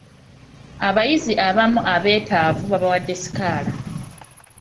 Abayizi abamu abetaavu baabawadde sikaala.